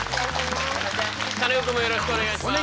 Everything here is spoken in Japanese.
カネオくんもよろしくお願いします。